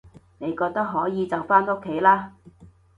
你覺得可以就返屋企啦